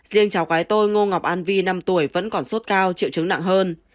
riêng cháu gái tôi ngô ngọc an vi năm tuổi vẫn còn sốt cao triệu chứng nặng hơn